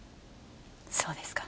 そうですか。